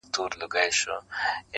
جهاني به له لکړي سره ځوان سي؛ ؛